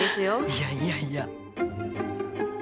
いやいやいや。